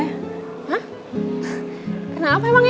hah kenapa emangnya